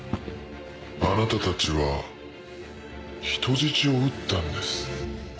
あなたたちは人質を撃ったんです。